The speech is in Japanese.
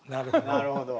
なるほど。